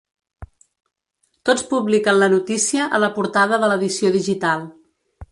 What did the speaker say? Tots publiquen la notícia a la portada de l’edició digital.